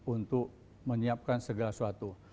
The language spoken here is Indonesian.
untuk menyiapkan segala sesuatu